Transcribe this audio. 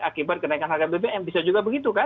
akibat kenaikan harga bbm bisa juga begitu kan